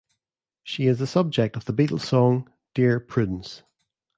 She is the subject of the Beatles song "Dear Prudence".